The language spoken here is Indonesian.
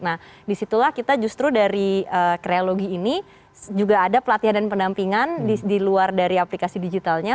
nah disitulah kita justru dari kreologi ini juga ada pelatihan dan pendampingan di luar dari aplikasi digitalnya